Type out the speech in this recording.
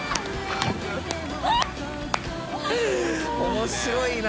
面白いな。